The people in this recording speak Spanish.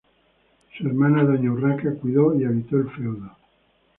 Su hermana Doña Urraca cuidó y habitó el feudo.